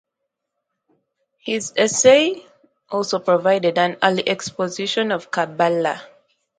His essay also provided an early exposition of Kabbalah.